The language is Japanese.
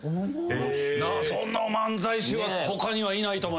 その漫才師は他にはいないと思いますよ。